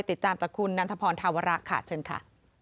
ติดตามจากคุณนันทพรธาวระค่ะเชิญค่ะ